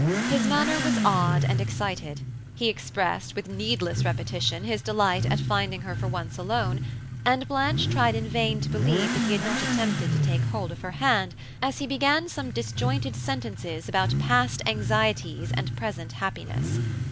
His manner was odd and excited, he expressed, with needless repetition, his delight at finding her for once alone; and Blanche tried in vain to believe that he had not attempted to take hold of her hand, as he began some disjointed sentences about past anxieties and present happiness.